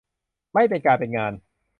ไม่เป็นการเป็นงาน